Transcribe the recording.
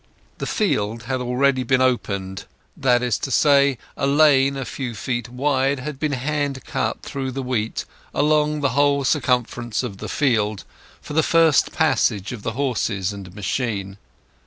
The field had already been "opened"; that is to say, a lane a few feet wide had been hand cut through the wheat along the whole circumference of the field for the first passage of the horses and machine.